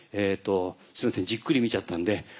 すいませんじっくり見ちゃったんで。